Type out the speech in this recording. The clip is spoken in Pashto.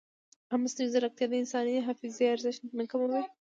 ایا مصنوعي ځیرکتیا د انساني حافظې ارزښت نه کموي؟